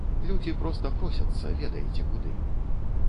Людзі проста просяцца, ведаеце куды.